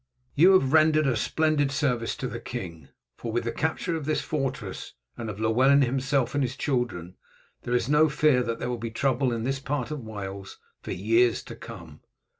You have rendered a splendid service to the king; for with the capture of this fortress, and of Llewellyn himself and his children, there is no fear that there will be trouble in this part of Wales for years to come.